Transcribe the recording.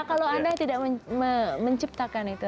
kalau anda tidak menciptakan itu